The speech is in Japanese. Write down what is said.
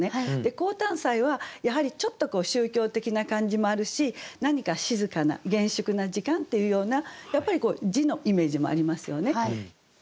「降誕祭」はやはりちょっと宗教的な感じもあるし何か静かな厳粛な時間っていうような字のイメージもありますよね。